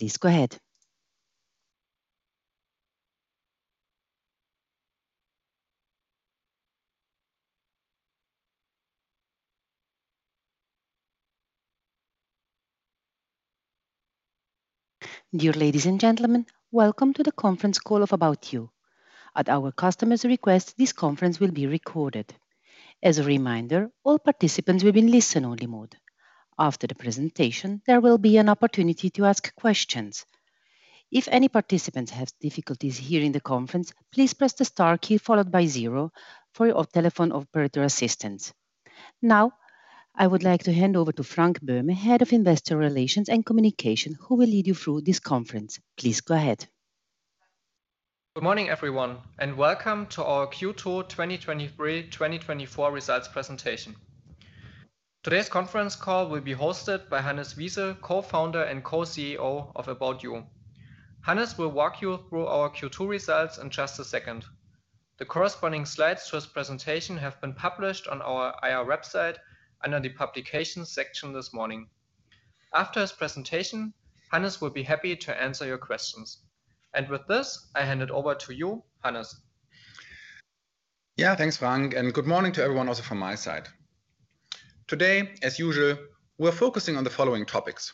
Dear ladies and gentlemen, welcome to the Conference Call of ABOUT YOU. At our customer's request, this conference will be recorded. As a reminder, all participants will be in listen-only mode. After the presentation, there will be an opportunity to ask questions. If any participants have difficulties hearing the conference, please press the star key followed by zero for your telephone operator assistance. Now, I would like to hand over to Frank Böhme, Head of Investor Relations and Communications, who will lead you through this conference. Please go ahead. Good morning, everyone, and welcome to our Q2 2023/2024 results presentation. Today's conference call will be hosted by Hannes Wiese, Co-Founder and Co-CEO of ABOUT YOU. Hannes will walk you through our Q2 results in just a second. The corresponding slides to his presentation have been published on our IR website under the Publications section this morning. After his presentation, Hannes will be happy to answer your questions. With this, I hand it over to you, Hannes. Yeah, thanks, Frank, and good morning to everyone also from my side. Today, as usual, we're focusing on the following topics: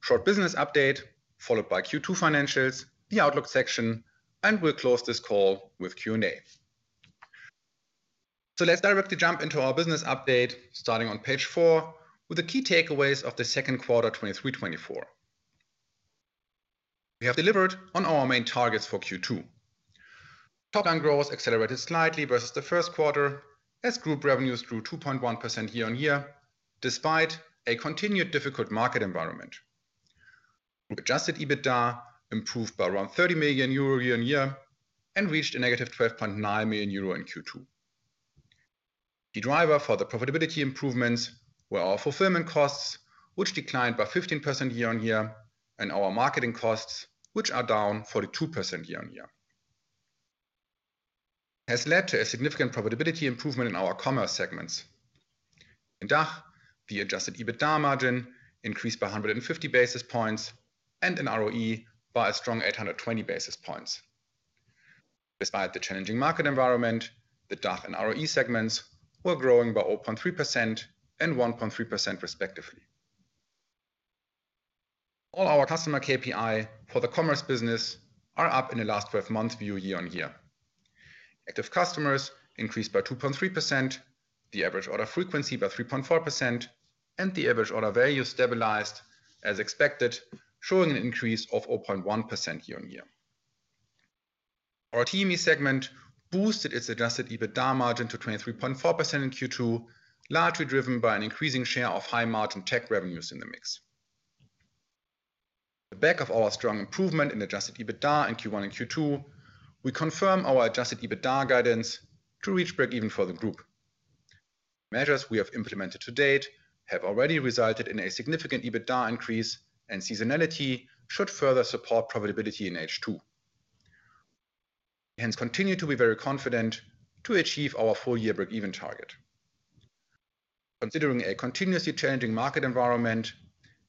short business update, followed by Q2 financials, the outlook section, and we'll close this call with Q&A. Let's directly jump into our business update, starting on page four with the key takeaways of the second quarter 2023-2024. We have delivered on our main targets for Q2. Topline growth accelerated slightly versus the first quarter, as group revenues grew 2.1% year-over-year, despite a continued difficult market environment. Adjusted EBITDA improved by around 30 million euro year-over-year and reached a negative 12.9 million euro in Q2. The driver for the profitability improvements were our fulfillment costs, which declined by 15% year-over-year, and our marketing costs, which are down 42% year-over-year. Has led to a significant profitability improvement in our commerce segments. In DACH, the Adjusted EBITDA margin increased by 150 basis points and in ROE by a strong 820 basis points. Despite the challenging market environment, the DACH and ROE segments were growing by 0.3% and 1.3%, respectively. All our customer KPIs for the commerce business are up in the last 12 months view year-over-year. Active customers increased by 2.3%, the average order frequency by 3.4%, and the average order value stabilized as expected, showing an increase of 0.1% year-over-year. Our TME segment boosted its Adjusted EBITDA margin to 23.4% in Q2, largely driven by an increasing share of high-margin tech revenues in the mix. the back of our strong improvement in Adjusted EBITDA in Q1 and Q2, we confirm our Adjusted EBITDA guidance to reach breakeven for the group. Measures we have implemented to date have already resulted in a significant EBITDA increase, and seasonality should further support profitability in H2. Hence, we continue to be very confident to achieve our full-year breakeven target. Considering a continuously changing market environment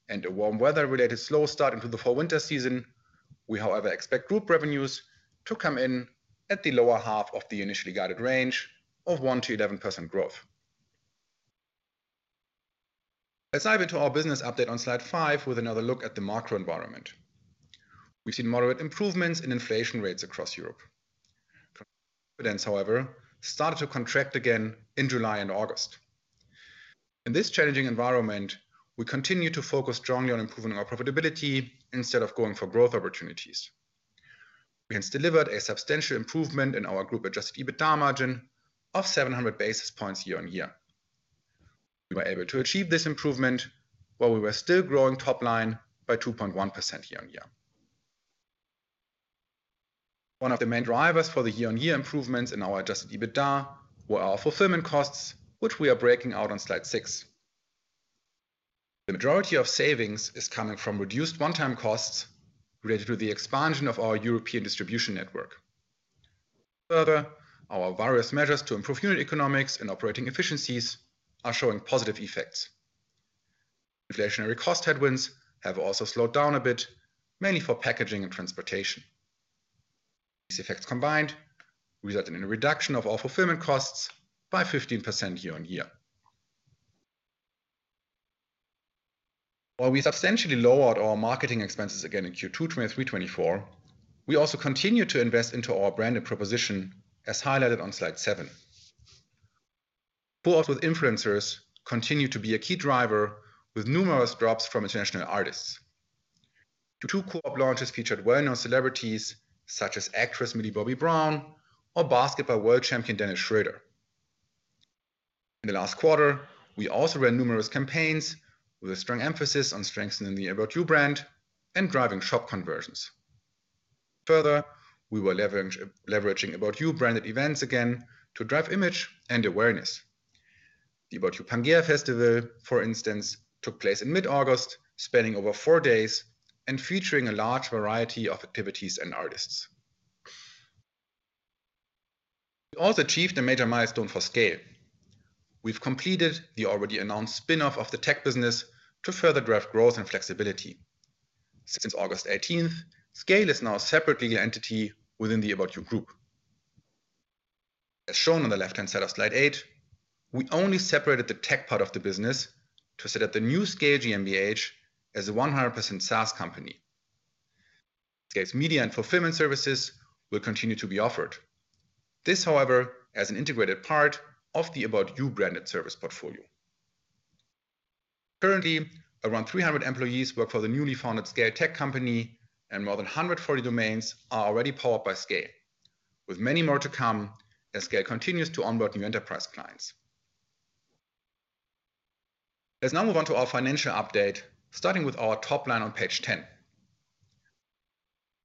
and a warm weather-related slow start into the fall/winter season, we, however, expect group revenues to come in at the lower half of the initially guided range of 1%-11% growth. Let's dive into our business update on Slide five with another look at the macro environment. We've seen moderate improvements in inflation rates across Europe. Consumer confidence, however, started to contract again in July and August. In this challenging environment, we continue to focus strongly on improving our profitability instead of going for growth opportunities. We hence delivered a substantial improvement in our group-Adjusted EBITDA margin of 700 basis points year-over-year. We were able to achieve this improvement while we were still growing top line by 2.1% year-over-year. One of the main drivers for the year-over-year improvements in our Adjusted EBITDA were our fulfillment costs, which we are breaking out on Slide six. The majority of savings is coming from reduced one-time costs related to the expansion of our European distribution network. Further, our various measures to improve unit economics and operating efficiencies are showing positive effects. Inflationary cost headwinds have also slowed down a bit, mainly for packaging and transportation. These effects combined resulted in a reduction of our fulfillment costs by 15% year-over-year. While we substantially lowered our marketing expenses again in Q2 2023/24, we also continued to invest into our brand and proposition, as highlighted on Slide seven. Co-op with influencers continued to be a key driver with numerous drops from international artists. The two co-op launches featured well-known celebrities such as actress Millie Bobby Brown or basketball world champion Dennis Schröder. In the last quarter, we also ran numerous campaigns with a strong emphasis on strengthening the ABOUT YOU brand and driving shop conversions. Further, we were leveraging ABOUT YOU branded events again to drive image and awareness. The ABOUT YOU Pangea Festival, for instance, took place in mid-August, spanning over four days and featuring a large variety of activities and artists. We also achieved a major milestone for SCAYLE. We've completed the already announced spin-off of the tech business to further drive growth and flexibility. Since August 18, SCAYLE is now a separate legal entity within the ABOUT YOU group. As shown on the left-hand side of Slide Eight, we only separated the tech part of the business to set up the new SCAYLE GmbH as a 100% SaaS company. SCAYLE's media and fulfillment services will continue to be offered. This, however, as an integrated part of the ABOUT YOU branded service portfolio. Currently, around 300 employees work for the newly founded SCAYLE tech company, and more than 140 domains are already powered by SCAYLE, with many more to come as SCAYLE continues to onboard new enterprise clients. Let's now move on to our financial update, starting with our top line on page 10.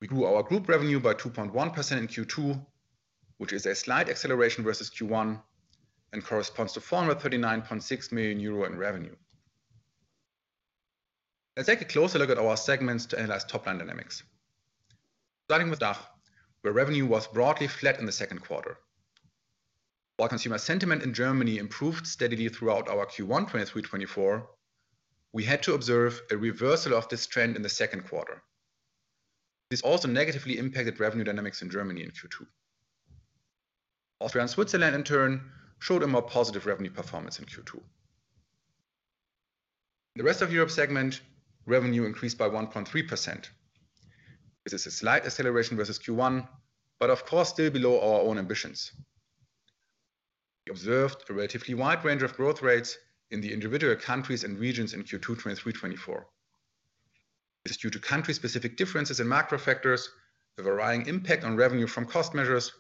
We grew our group revenue by 2.1% in Q2, which is a slight acceleration versus Q1, and corresponds to 439.6 million euro in revenue. Let's take a closer look at our segments to analyze top-line dynamics. Starting with DACH, where revenue was broadly flat in the second quarter. While consumer sentiment in Germany improved steadily throughout our Q1 2023/2024, we had to observe a reversal of this trend in the second quarter. This also negatively impacted revenue dynamics in Germany in Q2. Austria and Switzerland, in turn, showed a more positive revenue performance in Q2. The rest of Europe segment revenue increased by 1.3%. This is a slight acceleration versus Q1, but of course, still below our own ambitions. We observed a relatively wide range of growth rates in the individual countries and regions in Q2 2023/2024. This is due to country-specific differences in macro factors, the varying impact on revenue from cost measures,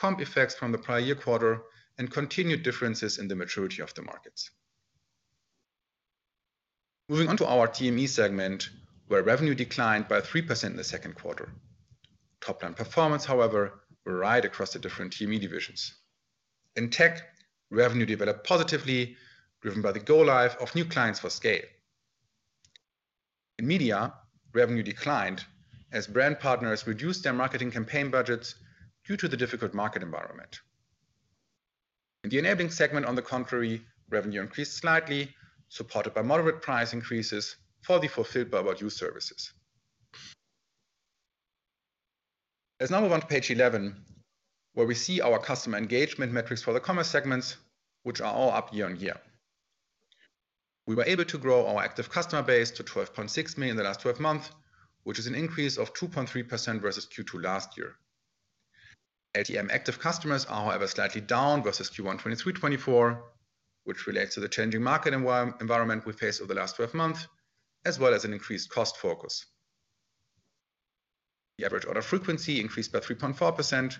comp effects from the prior year quarter, and continued differences in the maturity of the markets. Moving on to our TME segment, where revenue declined by 3% in the second quarter. Top-line performance, however, varied across the different TME divisions. In tech, revenue developed positively, driven by the go live of new clients for SCAYLE. In media, revenue declined as brand partners reduced their marketing campaign budgets due to the difficult market environment. In the enabling segment, on the contrary, revenue increased slightly, supported by moderate price increases for the fulfilled ABOUT YOU services. Let's now move on to page 11, where we see our customer engagement metrics for the commerce segments, which are all up year-on-year. We were able to grow our active customer base to 12.6 million in the last 12 months, which is an increase of 2.3% versus Q2 last year. LTM active customers are, however, slightly down versus Q1 2023/2024, which relates to the changing market environment we faced over the last 12 months, as well as an increased cost focus. The average order frequency increased by 3.4%,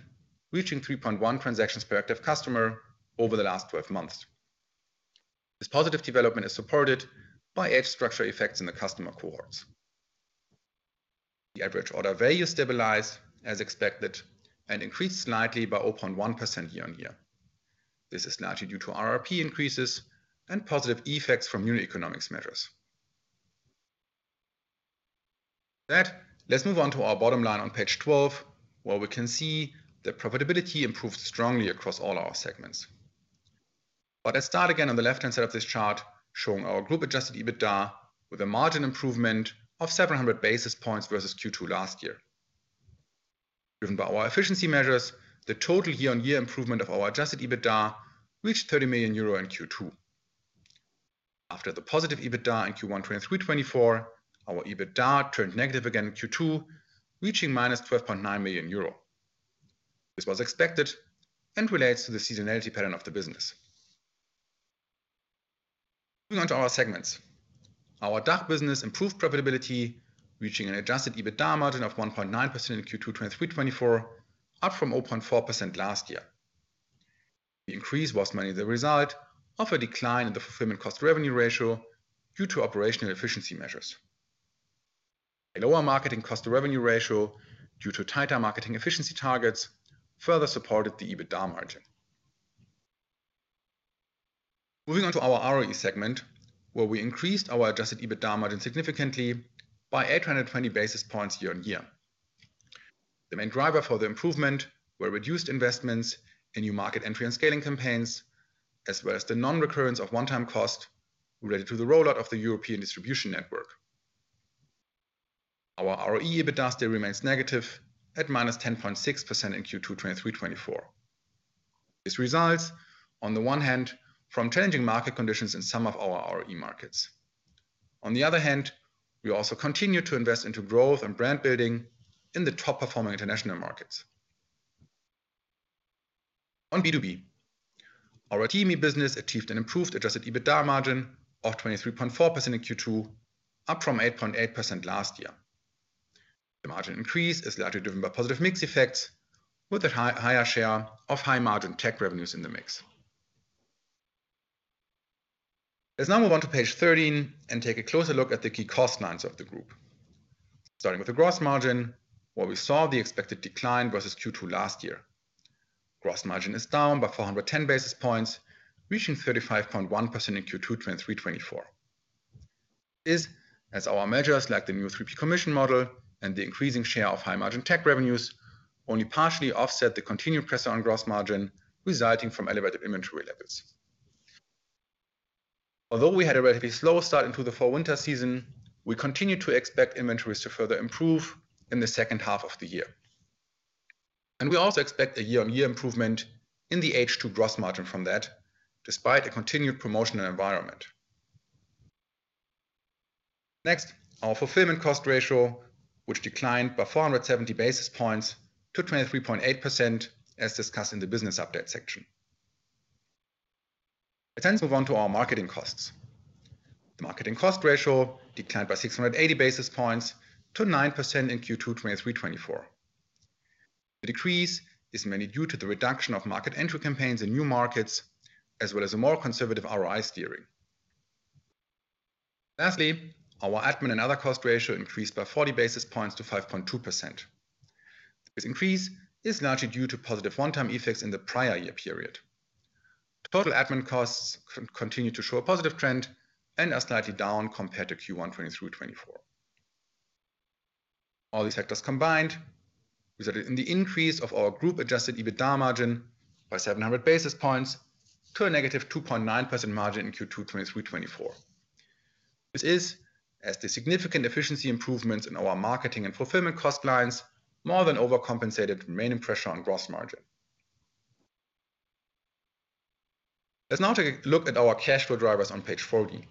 reaching 3.1 transactions per active customer over the last 12 months. This positive development is supported by age structure effects in the customer cohorts. The average order value stabilized as expected and increased slightly by 0.1% year-on-year. This is largely due to RRP increases and positive effects from unit economics measures. With that, let's move on to our bottom line on page 12, where we can see that profitability improved strongly across all our segments. But let's start again on the left-hand side of this chart, showing our group Adjusted EBITDA with a margin improvement of 700 basis points versus Q2 last year. Driven by our efficiency measures, the total year-on-year improvement of our Adjusted EBITDA reached 30 million euro in Q2. After the positive EBITDA in Q1 2023/2024, our EBITDA turned negative again in Q2, reaching -12.9 million euro. This was expected and relates to the seasonality pattern of the business. Moving on to our segments. Our DACH business improved profitability, reaching an Adjusted EBITDA margin of 1.9% in Q2 2023/2024, up from 0.4% last year. The increase was mainly the result of a decline in the fulfillment cost revenue ratio due to operational efficiency measures. A lower marketing cost to revenue ratio, due to tighter marketing efficiency targets, further supported the EBITDA margin. Moving on to our ROE segment, where we increased our Adjusted EBITDA margin significantly by 820 basis points year-on-year. The main driver for the improvement were reduced investments in new market entry and scaling campaigns, as well as the non-recurrence of one-time cost related to the rollout of the European distribution network. Our ROE EBITDA still remains negative at -10.6% in Q2 2023/2024. This results, on the one hand, from changing market conditions in some of our ROE markets. On the other hand, we also continue to invest into growth and brand building in the top-performing International markets. On B2B, our TME business achieved an improved Adjusted EBITDA margin of 23.4% in Q2, up from 8.8% last year. The margin increase is largely driven by positive mix effects, with a higher share of high-margin tech revenues in the mix. Let's now move on to page 13 and take a closer look at the key cost lines of the group. Starting with the gross margin, where we saw the expected decline versus Q2 last year. Gross margin is down by 410 basis points, reaching 35.1% in Q2 2023/2024. This, as our measures like the new 3P commission model and the increasing share of high-margin tech revenues, only partially offset the continued pressure on gross margin resulting from elevated inventory levels. Although we had a relatively slow start into the fall/winter season, we continue to expect inventories to further improve in the second half of the year. We also expect a year-on-year improvement in the H2 gross margin from that, despite a continued promotional environment. Next, our fulfillment cost ratio, which declined by 470 basis points to 23.8%, as discussed in the business update section. Let's then move on to our marketing costs. The marketing cost ratio declined by 680 basis points to 9% in Q2 2023/2024. The decrease is mainly due to the reduction of market entry campaigns in new markets, as well as a more conservative ROI steering. Lastly, our admin and other cost ratio increased by 40 basis points to 5.2%. This increase is largely due to positive one-time effects in the prior year period. Total admin costs continue to show a positive trend and are slightly down compared to Q1 2023/2024. All these factors combined, resulted in the increase of our group-Adjusted EBITDA margin by 700 basis points to a -2.9% margin in Q2 2023/2024. This is as the significant efficiency improvements in our marketing and fulfillment cost lines more than overcompensated the remaining pressure on gross margin. Let's now take a look at our cash flow drivers on page 14.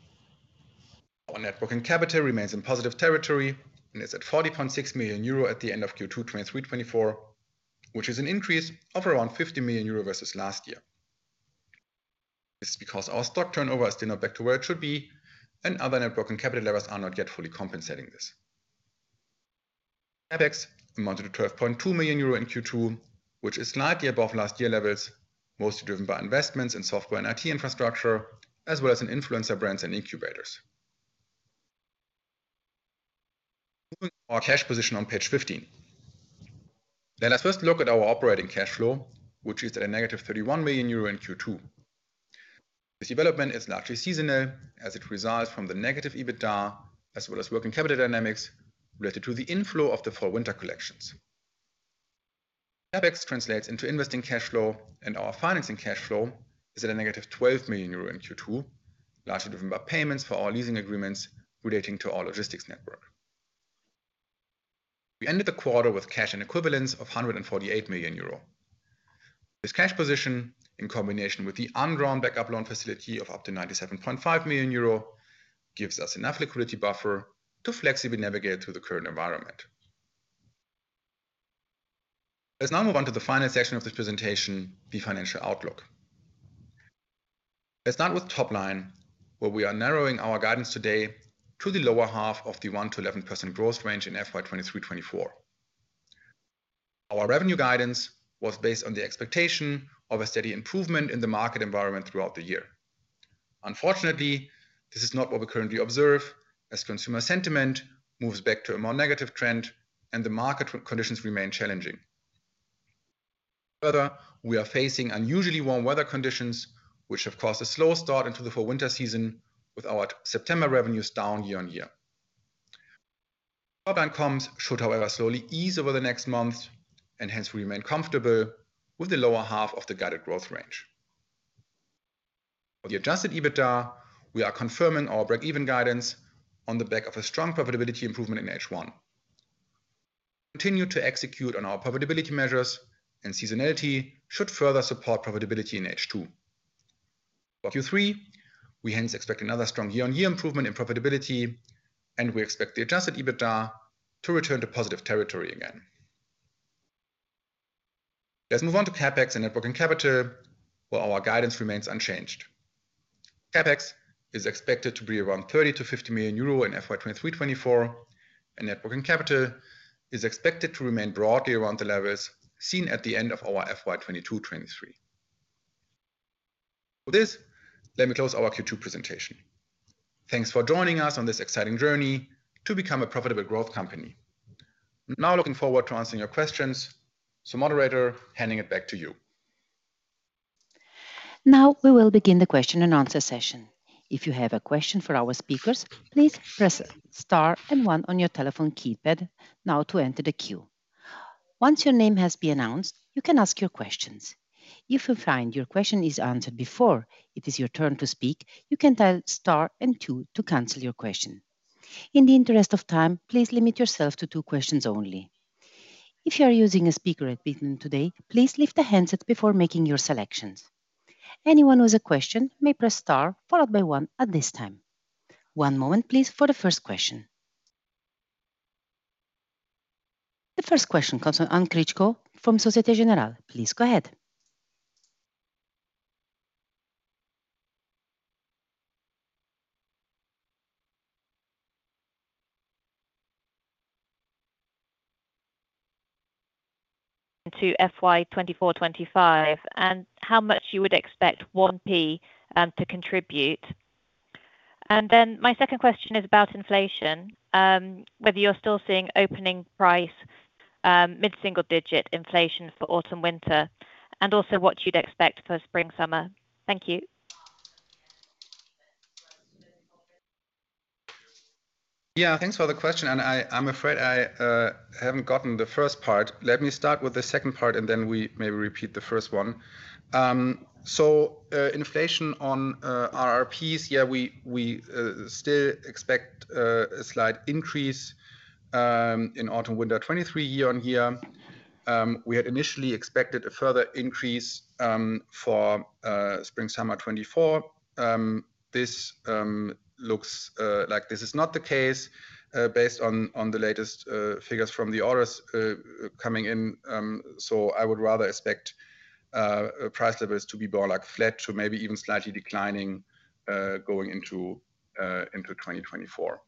Our net working capital remains in positive territory and is at 40.6 million euro at the end of Q2 2023/2024, which is an increase of around 50 million euro versus last year. This is because our stock turnover is still not back to where it should be, and other net working capital levels are not yet fully compensating this. CapEx amounted to 12.2 million euro in Q2, which is slightly above last year levels, mostly driven by investments in software and IT infrastructure, as well as in influencer brands and incubators. Moving to our cash position on page 15. Let us first look at our operating cash flow, which is at -31 million euro in Q2. This development is largely seasonal, as it results from the negative EBITDA, as well as working capital dynamics related to the inflow of the fall/winter collections. CapEx translates into investing cash flow, and our financing cash flow is at -12 million euro in Q2, largely driven by payments for our leasing agreements relating to our logistics network. We ended the quarter with cash and equivalents of 148 million euro. This cash position, in combination with the undrawn backup loan facility of up to 97.5 million euro, gives us enough liquidity buffer to flexibly navigate through the current environment. Let's now move on to the final section of this presentation, the financial outlook. Let's start with top line, where we are narrowing our guidance today to the lower half of the 1%-11% growth range in FY 2023/2024. Our revenue guidance was based on the expectation of a steady improvement in the market environment throughout the year. Unfortunately, this is not what we currently observe, as consumer sentiment moves back to a more negative trend and the market conditions remain challenging. Further, we are facing unusually warm weather conditions, which have caused a slow start into the fall/winter season, with our September revenues down year-on-year. Weather outcomes should, however, slowly ease over the next months and hence we remain comfortable with the lower half of the guided growth range. For the Adjusted EBITDA, we are confirming our break-even guidance on the back of a strong profitability improvement in H1. We continue to execute on our profitability measures, and seasonality should further support profitability in H2. For Q3, we hence expect another strong year-on-year improvement in profitability, and we expect the Adjusted EBITDA to return to positive territory again. Let's move on to CapEx and net working capital, where our guidance remains unchanged. CapEx is expected to be around 30 million-50 million euro in FY 2023/2024, and net working capital is expected to remain broadly around the levels seen at the end of our FY 2022/2023. With this, let me close our Q2 presentation. Thanks for joining us on this exciting journey to become a profitable growth company. I'm now looking forward to answering your questions. So moderator, handing it back to you. Now we will begin the question and answer session. If you have a question for our speakers, please press star and one on your telephone keypad now to enter the queue. Once your name has been announced, you can ask your questions. If you find your question is answered before it is your turn to speak, you can dial star and two to cancel your question. In the interest of time, please limit yourself to two questions only. If you are using a speaker equipment today, please lift the handset before making your selections. Anyone with a question may press star, followed by one, at this time. One moment, please, for the first question. The first question comes from Anne Critchlow from Société Générale. Please go ahead.... to FY 2024/2025, and how much you would expect 1P to contribute? And then my second question is about inflation. Whether you're still seeing opening price mid-single digit inflation for autumn, winter, and also what you'd expect for spring/summer. Thank you. Yeah, thanks for the question, and I, I'm afraid I haven't gotten the first part. Let me start with the second part, and then we maybe repeat the first one. So, inflation on RRPs, yeah, we still expect a slight increase in autumn/winter 2023 year-over-year. We had initially expected a further increase for spring/summer 2024. This looks like this is not the case based on the latest figures from the orders coming in. So I would rather expect price levels to be more like flat to maybe even slightly declining going into 2024.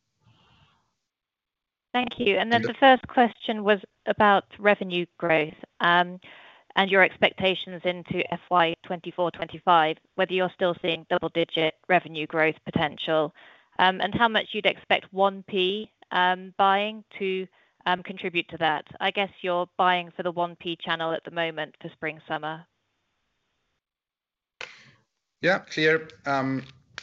Thank you. And then the first question was about revenue growth, and your expectations into FY 2024/2025, whether you're still seeing double-digit revenue growth potential, and how much you'd expect 1P buying to contribute to that. I guess you're buying for the 1P channel at the moment for spring/summer. Yeah, clear.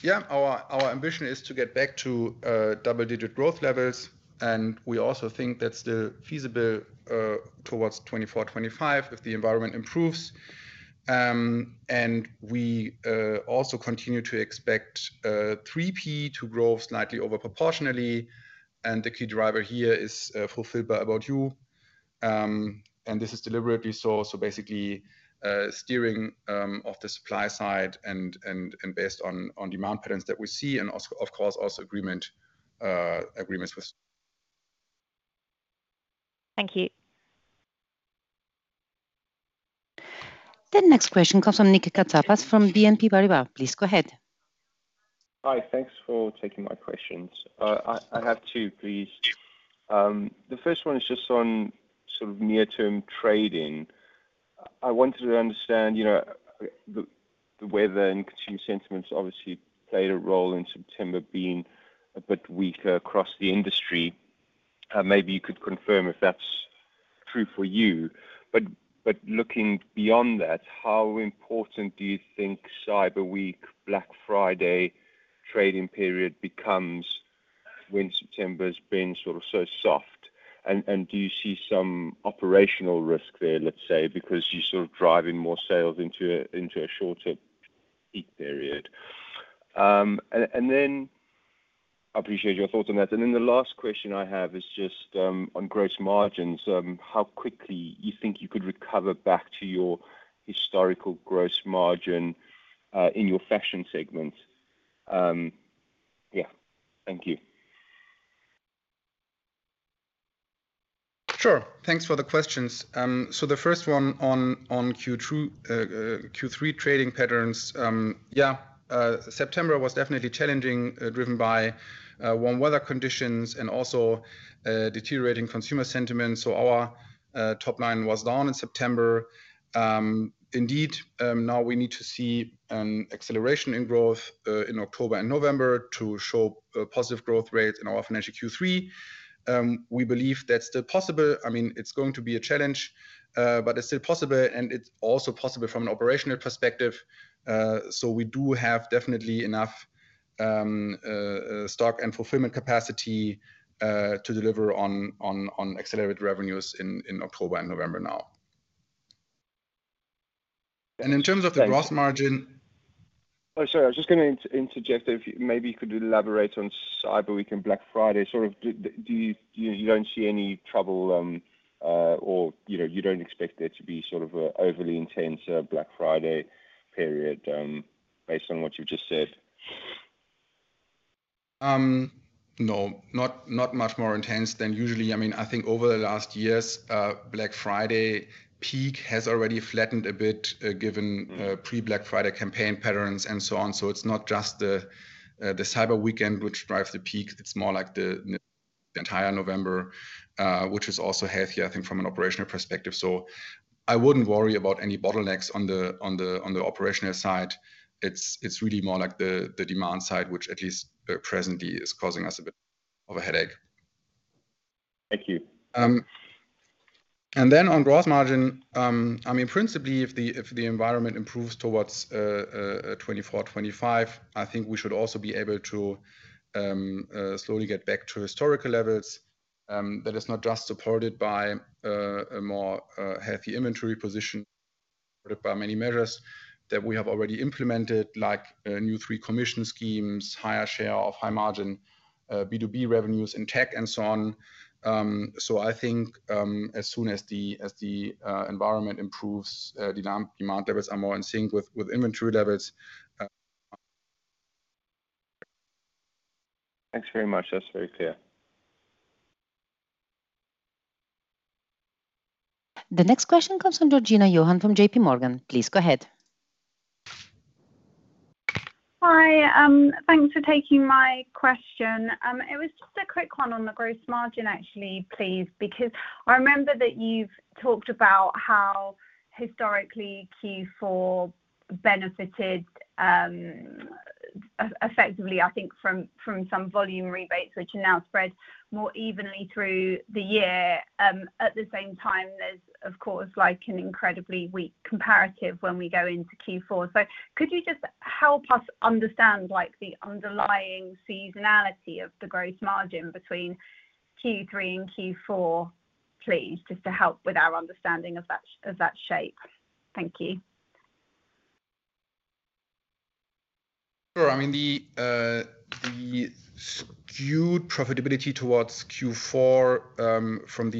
Yeah, our ambition is to get back to double-digit growth levels, and we also think that's still feasible towards 2024/2025, if the environment improves. And we also continue to expect 3P to grow slightly over proportionally, and the key driver here is Fulfilled by ABOUT YOU. And this is deliberately so. So basically, steering of the supply side and based on demand patterns that we see, and also, of course, also agreements with. Thank you. The next question comes from Nicolas Katsapas from BNP Paribas. Please go ahead. Hi, thanks for taking my questions. I have two, please. The first one is just on sort of near-term trading. I wanted to understand, you know, the weather and consumer sentiments obviously played a role in September being a bit weaker across the industry. Maybe you could confirm if that's true for you. Looking beyond that, how important do you think Cyber Week, Black Friday trading period becomes when September's been sort of so soft? Do you see some operational risk there, let's say, because you're sort of driving more sales into a shorter peak period? I appreciate your thoughts on that. The last question I have is just on gross margins. How quickly you think you could recover back to your historical gross margin in your fashion segment? Yeah. Thank you. Sure. Thanks for the questions. The first one on Q2, Q3 trading patterns. Yeah, September was definitely challenging, driven by warm weather conditions and also deteriorating consumer sentiments. Our top line was down in September. Indeed, now we need to see an acceleration in growth in October and November to show positive growth rates in our financial Q3. We believe that's still possible. I mean, it's going to be a challenge, but it's still possible, and it's also possible from an operational perspective. We do have definitely enough stock and fulfillment capacity to deliver on accelerated revenues in October and November now. In terms of the gross margin— Oh, sorry. I was just gonna interject, if maybe you could elaborate on Cyber Week and Black Friday, sort of, do you—you don't see any trouble, or, you know, you don't expect there to be sort of an overly intense Black Friday period, based on what you've just said? No, not much more intense than usually. I mean, I think over the last years, Black Friday peak has already flattened a bit, given pre-Black Friday campaign patterns and so on. So it's not just the Cyber Weekend which drives the peak. It's more like the entire November, which is also healthier, I think, from an operational perspective. So I wouldn't worry about any bottlenecks on the operational side. It's really more like the demand side, which at least, presently is causing us a bit of a headache. Thank you. And then on gross margin, I mean, principally, if the environment improves towards 2024/2025, I think we should also be able to slowly get back to historical levels. That is not just supported by a more healthy inventory position, but by many measures that we have already implemented, like new 3P commission schemes, higher share of high margin B2B revenues in tech, and so on. So I think, as soon as the environment improves, demand levels are more in sync with inventory levels. Thanks very much. That's very clear. The next question comes from Georgina Johanan from JPMorgan. Please go ahead. Hi, thanks for taking my question. It was just a quick one on the gross margin, actually, please, because I remember that you've talked about how historically, Q4 benefited, effectively, I think from some volume rebates, which are now spread more evenly through the year. At the same time, there's of course, like an incredibly weak comparative when we go into Q4. So could you just help us understand, like, the underlying seasonality of the gross margin between Q3 and Q4, please, just to help with our understanding of that, of that shape? Thank you. Sure. I mean, the skewed profitability towards Q4, from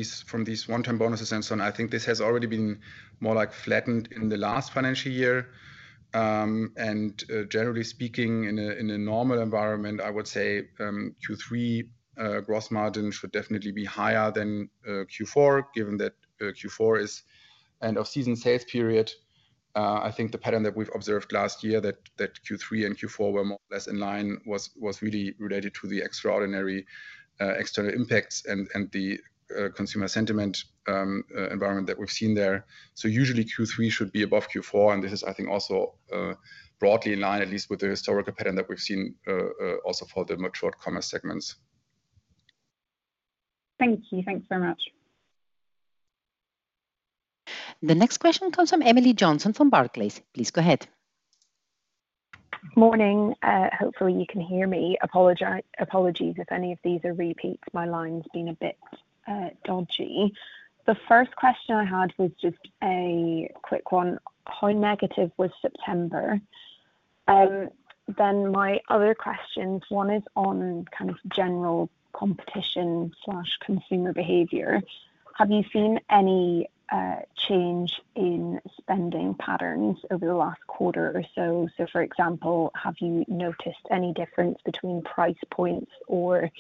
these one-time bonuses and so on, I think this has already been more like flattened in the last financial year. And, generally speaking, in a normal environment, I would say, Q3 gross margin should definitely be higher than Q4, given that Q4 is end of season sales period. I think the pattern that we've observed last year that Q3 and Q4 were more or less in line, was really related to the extraordinary external impacts and the consumer sentiment environment that we've seen there. So usually, Q3 should be above Q4, and this is, I think, also broadly in line, at least with the historical pattern that we've seen also for the matured commerce segments. Thank you. Thanks very much. The next question comes from Emily Johnson from Barclays. Please go ahead. Morning. Hopefully, you can hear me. Apologies if any of these are repeats. My line's been a bit dodgy. The first question I had was just a quick one: How negative was September? Then my other questions, one is on kind of general competition/consumer behavior. Have you seen any change in spending patterns over the last quarter or so? So, for example, have you noticed any difference between price points or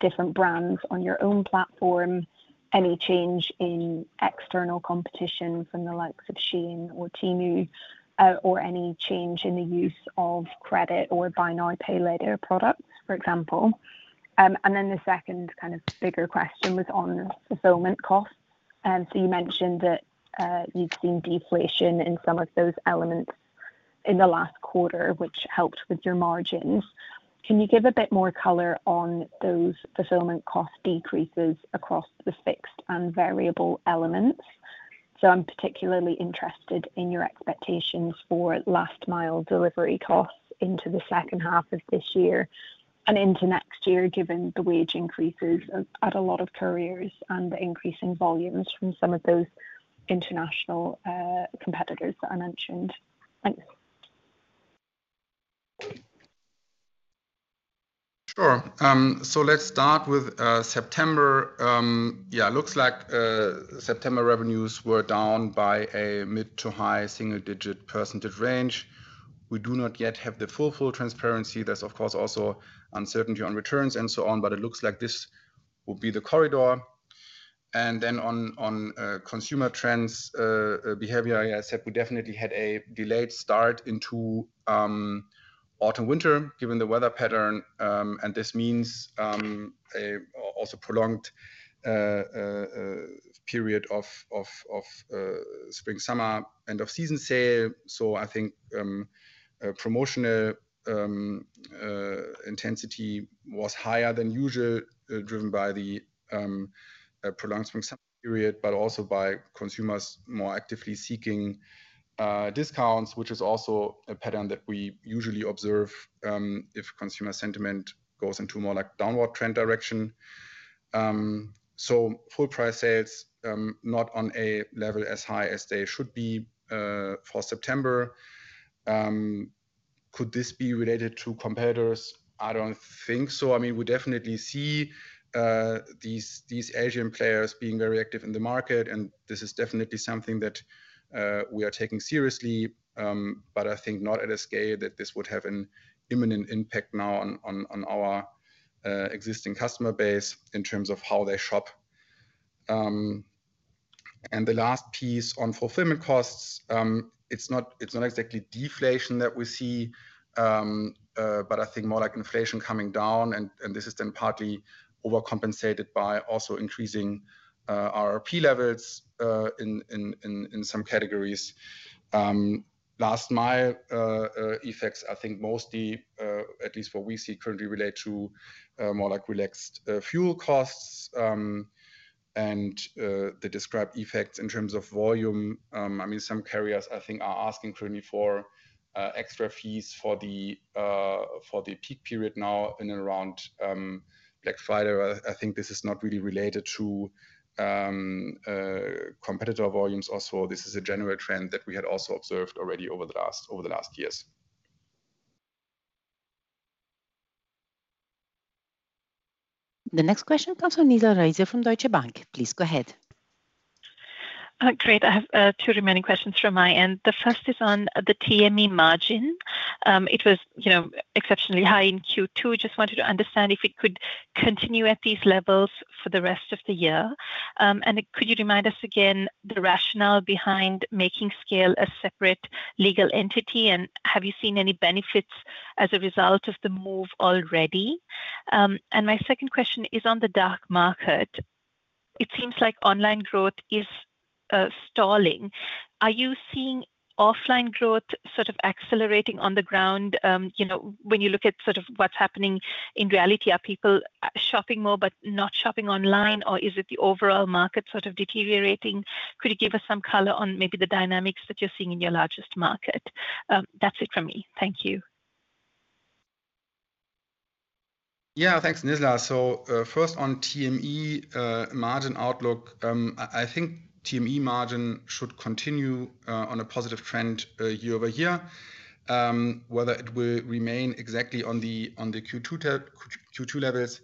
different brands on your own platform, any change in external competition from the likes of SHEIN or Temu, or any change in the use of credit or buy now, pay later products, for example? And then the second kind of bigger question was on fulfillment costs. So you mentioned that you've seen deflation in some of those elements in the last quarter, which helped with your margins. Can you give a bit more color on those fulfillment cost decreases across the fixed and variable elements? So I'm particularly interested in your expectations for last-mile delivery costs into the second half of this year and into next year, given the wage increases at a lot of carriers and the increase in volumes from some of those international competitors that I mentioned. Thanks. Sure. So let's start with September. Yeah, it looks like September revenues were down by a mid- to high single-digit percentage range. We do not yet have the full, full transparency. There's, of course, also uncertainty on returns and so on, but it looks like this will be the corridor. And then, on consumer trends, behavior, I said we definitely had a delayed start into autumn/winter, given the weather pattern, and this means a also prolonged period of spring/summer, end of season sale. So I think, promotional intensity was higher than usual, driven by the prolonged spring/summer period, but also by consumers more actively seeking discounts, which is also a pattern that we usually observe, if consumer sentiment goes into a more like downward trend direction. So full price sales, not on a level as high as they should be, for September. Could this be related to competitors? I don't think so. I mean, we definitely see these Asian players being very active in the market, and this is definitely something that we are taking seriously, but I think not at a scale that this would have an imminent impact now on our existing customer base in terms of how they shop. The last piece on fulfillment costs, it's not exactly deflation that we see, but I think more like inflation coming down, and this is then partly overcompensated by also increasing our P levels in some categories. Last mile effects, I think mostly, at least what we see currently, relate to more like relaxed fuel costs, and the described effects in terms of volume. I mean, some carriers, I think, are asking currently for extra fees for the peak period now in and around Black Friday. I think this is not really related to competitor volumes. Also, this is a general trend that we had also observed already over the last years. ... The next question comes from Nizla Naizer from Deutsche Bank. Please go ahead. Great. I have two remaining questions from my end. The first is on the TME margin. It was, you know, exceptionally high in Q2. Just wanted to understand if it could continue at these levels for the rest of the year. And could you remind us again the rationale behind making SCAYLE a separate legal entity, and have you seen any benefits as a result of the move already? And my second question is on the DACH market. It seems like online growth is stalling. Are you seeing offline growth sort of accelerating on the ground? You know, when you look at sort of what's happening in reality, are people shopping more but not shopping online, or is it the overall market sort of deteriorating? Could you give us some color on maybe the dynamics that you're seeing in your largest market? That's it from me. Thank you. Yeah, thanks, Nizla. So, first, on TME, margin outlook, I think TME margin should continue on a positive trend year-over-year. Whether it will remain exactly on the Q2 levels,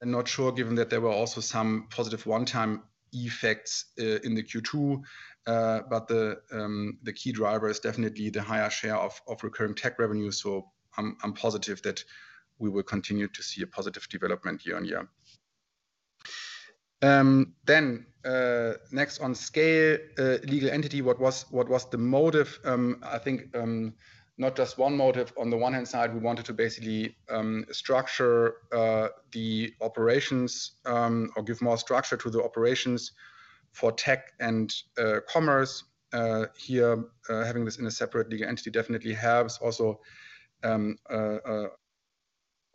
I'm not sure, given that there were also some positive one-time effects in the Q2. But the key driver is definitely the higher share of recurring tech revenue, so I'm positive that we will continue to see a positive development year-on-year. Then, next on SCAYLE, legal entity, what was the motive? I think not just one motive. On the one hand side, we wanted to basically structure the operations or give more structure to the operations for tech and commerce. Here, having this in a separate legal entity definitely helps. Also,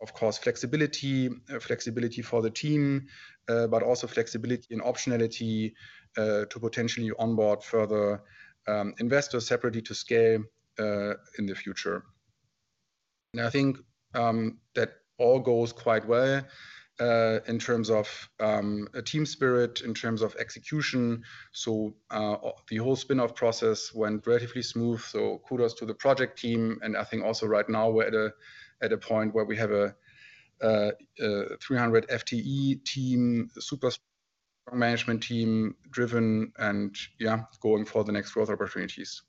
of course, flexibility, flexibility for the team, but also flexibility and optionality, to potentially onboard further, investors separately to scale, in the future. And I think, that all goes quite well, in terms of, team spirit, in terms of execution. So, the whole spin-off process went relatively smooth, so kudos to the project team. And I think also right now, we're at a point where we have a, 300 FTE team, super management team, driven and, yeah, going for the next growth opportunities.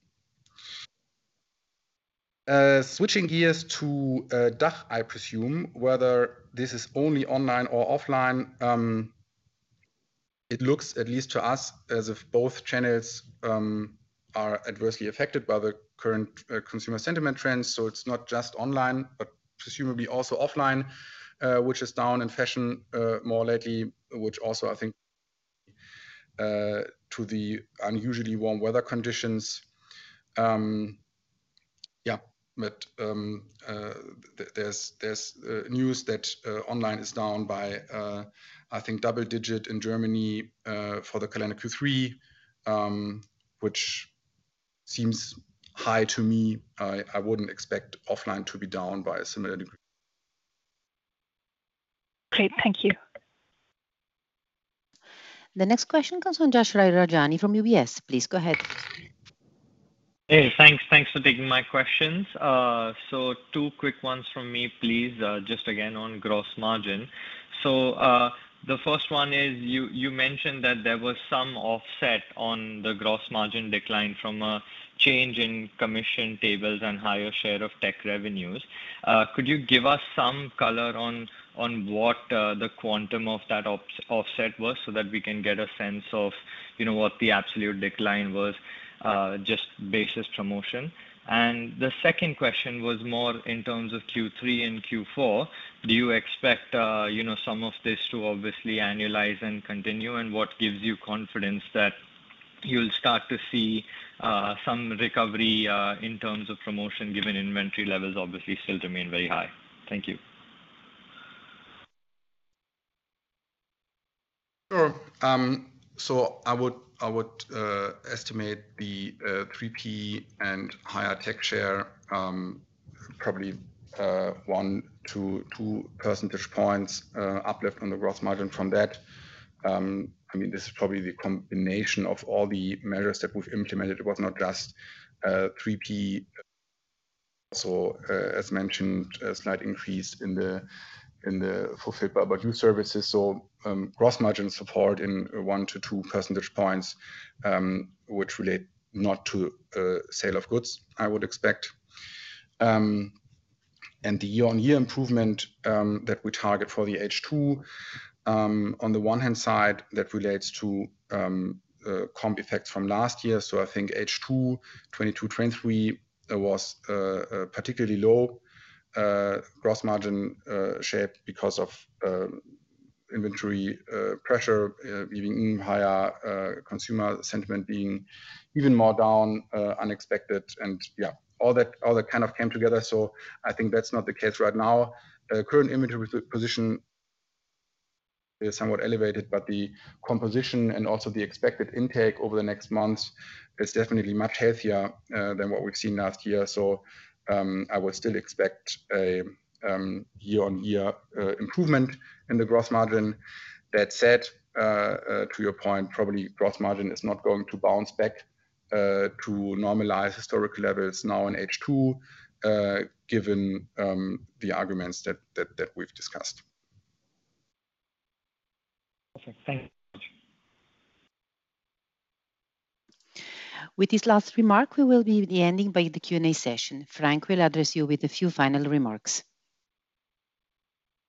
Switching gears to DACH, I presume, whether this is only online or offline. It looks, at least to us, as if both channels, are adversely affected by the current, consumer sentiment trends. So it's not just online, but presumably also offline, which is down in fashion more lately, which also I think to the unusually warm weather conditions. Yeah, but there's news that online is down by I think double digit in Germany for the calendar Q3, which seems high to me. I wouldn't expect offline to be down by a similar degree. Great. Thank you. The next question comes from Yashraj Rajani from UBS. Please go ahead. Hey, thanks. Thanks for taking my questions. So two quick ones from me, please, just again on gross margin. So, the first one is, you, you mentioned that there was some offset on the gross margin decline from a change in commission tables and higher share of tech revenues. Could you give us some color on, on what, the quantum of that offset was, so that we can get a sense of, you know, what the absolute decline was, just basis promotion? And the second question was more in terms of Q3 and Q4. Do you expect, you know, some of this to obviously annualize and continue, and what gives you confidence that you'll start to see, some recovery, in terms of promotion, given inventory levels obviously still remain very high? Thank you. Sure. So I would estimate the 3P and higher tech share probably one to two percentage points uplift on the gross margin from that. I mean, this is probably the combination of all the measures that we've implemented. It was not just 3P. So, as mentioned, a slight increase in the Fulfilled by ABOUT YOU services. So, gross margin support in one to two percentage points, which relate not to sale of goods, I would expect. And the year-on-year improvement that we target for the H2, on the one hand side, that relates to comp effects from last year. So I think H2 2022/2023, there was a particularly low gross margin shape because of inventory pressure being even higher, consumer sentiment being even more down, unexpected. And yeah, all that kind of came together, so I think that's not the case right now. Current inventory position is somewhat elevated, but the composition and also the expected intake over the next months is definitely much healthier than what we've seen last year. So I would still expect a year-on-year improvement in the gross margin. That said, to your point, probably gross margin is not going to bounce back to normalize historical levels now in H2, given the arguments that we've discussed. Okay. Thank you. With this last remark, we will be ending by the Q&A session. Frank will address you with a few final remarks.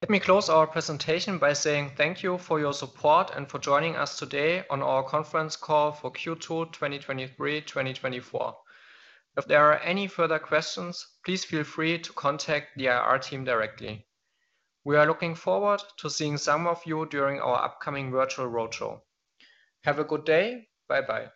Let me close our presentation by saying thank you for your support and for joining us today on our conference call for Q2 2023/2024. If there are any further questions, please feel free to contact the IR team directly. We are looking forward to seeing some of you during our upcoming virtual roadshow. Have a good day. Bye-bye.